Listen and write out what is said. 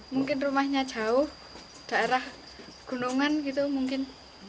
mungkin rumahnya jauh daerah gunungan gitu mungkin